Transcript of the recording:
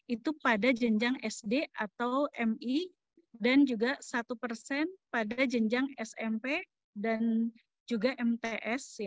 itu pada jenjang sd atau mi dan juga satu persen pada jenjang smp dan juga mts